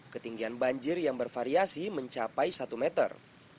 ketinggian banjir yang bervariasi mencapai satu meter